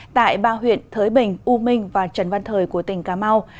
tại ba huyện thới bình u minh và trần văn thời của tỉnh cà mau